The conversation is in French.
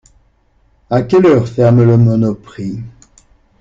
A quelle heure ferme le monoprix?